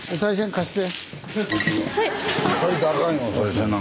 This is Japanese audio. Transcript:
貸して。